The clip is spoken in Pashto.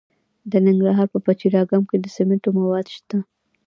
د ننګرهار په پچیر اګام کې د سمنټو مواد شته.